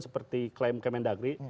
seperti klaim kementdagri